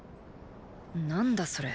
何だそれ。